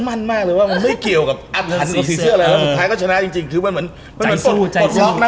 มันไม่เกี่ยวกับงานลู่เรา